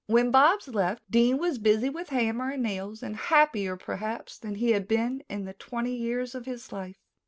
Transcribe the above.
When Bobs left, Dean was busy with hammer and nails and happier, perhaps, than he had been in the twenty years of his life.